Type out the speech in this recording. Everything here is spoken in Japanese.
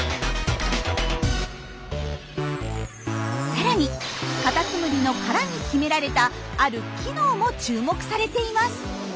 さらにカタツムリの殻に秘められたある機能も注目されています。